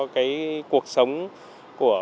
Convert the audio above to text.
cuộc sống của